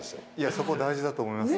そこ大事だと思います。